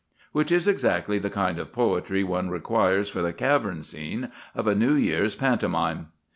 Which is exactly the kind of poetry one requires for the cavern scene of a New Year's pantomime.